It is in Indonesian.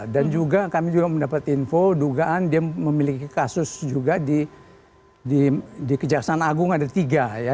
dan juga kami juga mendapat info dugaan dia memiliki kasus juga di kejaksaan agung ada tiga ya